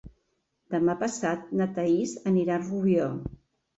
Demà passat na Thaís anirà a Rubió.